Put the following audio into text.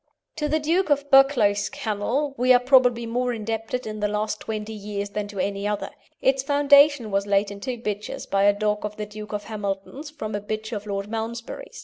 To the Duke of Buccleuch's kennel we are probably more indebted in the last twenty years than to any other. Its foundation was laid in two bitches by a dog of the Duke of Hamilton's from a bitch of Lord Malmesbury's.